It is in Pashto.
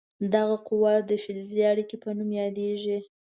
دغه قوه د فلزي اړیکې په نوم یادیږي.